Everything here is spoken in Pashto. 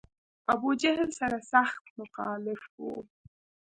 ابوجهل سر سخت مخالف و.